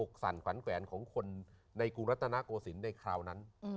สั่นขวัญแขวนของคนในกรุงรัฐนาโกศิลป์ในคราวนั้น